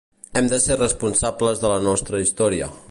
Hem de ser responsables de la nostra història.